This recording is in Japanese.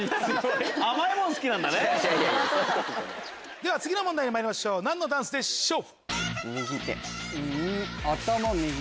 では次の問題にまいりましょう何のダンスでしょう？